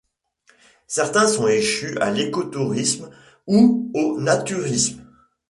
Certains sont échus à l'écotourisme ou au naturisme.